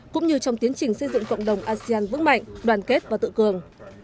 cũng như trong tiến trình xây dựng cộng đồng asean vững mạnh đoàn kết và tự cường